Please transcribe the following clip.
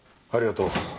ありがとう。